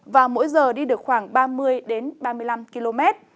và mỗi giờ đi được khoảng ba mươi ba mươi năm km